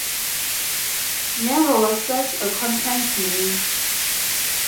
Never was such a contest known.